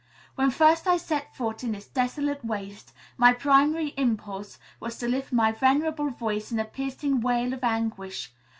When first I set foot in this desolate waste, my primary impulse was to lift my venerable voice in a piercing wail of anguish.